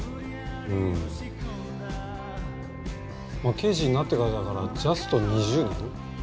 うんまあ刑事になってからだからジャスト２０年？